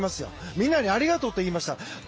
みんなにありがとうって言いました。